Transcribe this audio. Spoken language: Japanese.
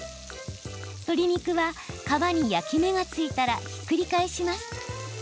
鶏肉は、皮に焼き目がついたらひっくり返します。